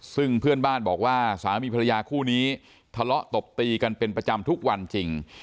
ซึ่งเพื่อนบ้านบอกว่าสามีภรรยาคู่นี้ทะเลาะตบตีกันเป็นประจำทุกวันจริง